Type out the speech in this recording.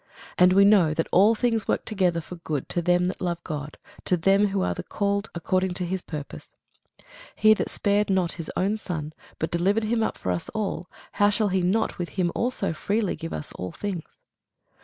And we know that all things work together for good to them that love God, to them who are the called according to his purpose. He that spared not his own Son, but delivered him up for us all, how shall he not with him also freely give us all things?